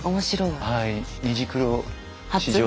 はい。